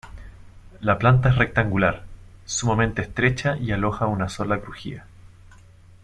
La planta es rectangular, sumamente estrecha y aloja una sola crujía.